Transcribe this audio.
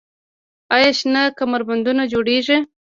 آیا شنه کمربندونه جوړیږي؟